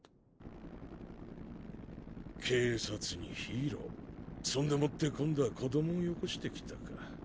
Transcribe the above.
警察にヒーローそんでもって今度は子どもをよこしてきたか。